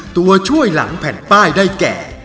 ตัวช่วยหลังแผ่นป้ายได้แก่